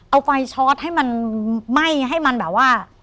เอาไฟชอตให้มันไหม้ให้มันแบบว่า